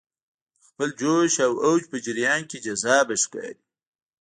د خپل جوش او اوج په جریان کې جذابه ښکاري.